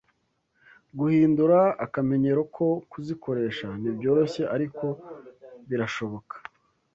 Guhindura akamenyero ko kuzikoresha ntibyoroshye ariko birashoboka.